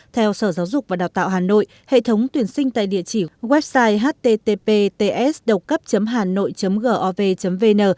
theo sở giáo dục và đào tạo hà nội hệ thống tuyển sinh tại địa chỉ website httpts hanoi gov vn